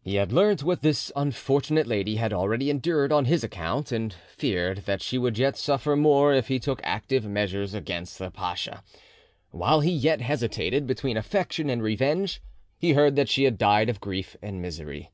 He had learnt what this unfortunate lady had already endured on his account, and feared that she would suffer yet more if he took active measures against the pacha. While he yet hesitated between affection and revenge, he heard that she had died of grief and misery.